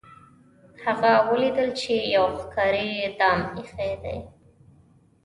هغه ولیدل چې یو ښکاري دام ایښی دی.